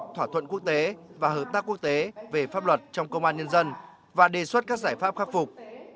thỏa thuận quốc tế và hợp tác quốc tế về pháp luật trong công an nhân dân và đề xuất các giải pháp khắc phục